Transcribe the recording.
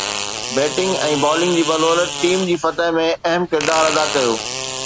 batting ۽ bowling جي بدولت team جي فتح ۾ اهم ڪردار ادا ڪيو